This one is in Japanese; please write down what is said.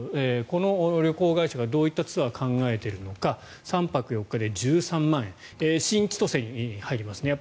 この旅行会社がどういったツアーを考えているのか３泊４日で１３万円新千歳に入りますね。